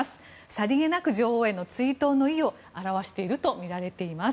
さりげなく女王への追悼の意を表しているとみられています。